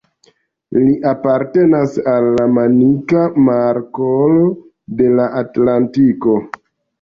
Ili apartenas al la Manika Markolo de la Atlantiko.